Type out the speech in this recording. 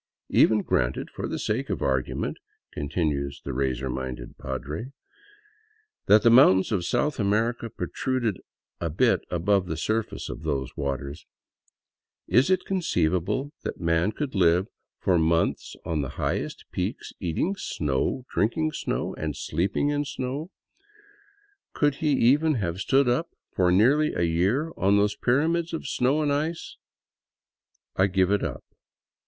Even granted, for the sake of argument," con tinues the razor minded padre, " that the mountains of South America protruded a bit above the surface of those waters, is it conceivable that man could live for months on the highest peaks, eating snow, drinking snow, and sleeping in snow ? Could he even have stood up for nearly a year on those pyramids of snow and ice ?" I give it up.